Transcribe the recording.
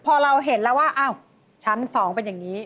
พอเราเห็นแล้วว่าอ้าวชั้น๒เป็นอย่างนี้